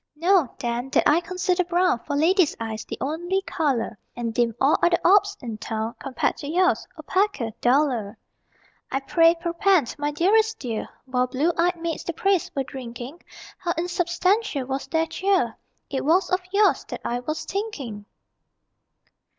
Know, then, that I consider brown For ladies' eyes, the only color; And deem all other orbs in town (Compared to yours), opaquer, duller. I pray, perpend, my dearest dear; While blue eyed maids the praise were drinking, How insubstantial was their cheer It was of yours that I was thinking!